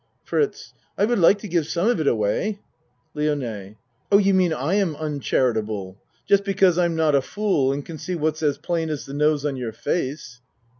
FRITZ I would like to give some of it away. LIONE Oh, you mean I am uncharitable. Just because I'm not a fool and can see what's what as plain as the nose on your face.